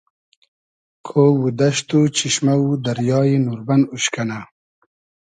کۉ و دئشت و چیشمۂ و دریای نوربئن اوش کئنۂ